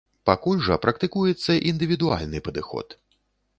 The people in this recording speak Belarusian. Пакуль жа практыкуецца індывідуальны падыход.